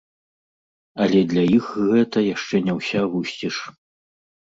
Але для іх гэта яшчэ не ўся вусціш.